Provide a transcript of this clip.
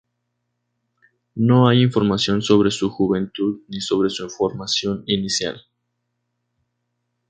No hay información sobre su juventud ni sobre su formación inicial.